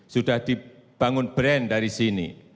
sudah dibangun brand dari sini